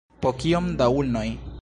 Po kiom da ulnoj?